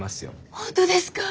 本当ですか！？